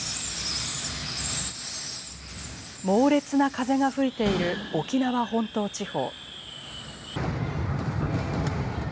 猛烈な風が吹いている沖縄本島地方。